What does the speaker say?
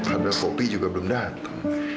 ada kopi juga belum datang